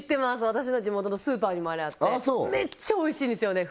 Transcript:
私の地元のスーパーにもあれあってめっちゃおいしいんですよね